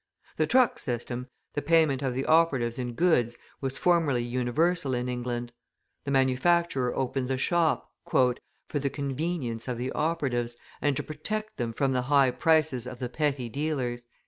The truck system, the payment of the operatives in goods, was formerly universal in England. The manufacturer opens a shop, "for the convenience of the operatives, and to protect them from the high prices of the petty dealers."